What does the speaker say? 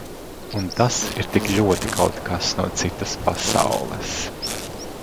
Un tas ir tik ļoti kaut kas no citas pasaules.